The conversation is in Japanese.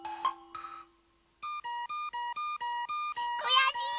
くやしい！